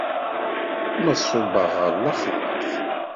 Ma ṣubbeɣ ɣer laxert?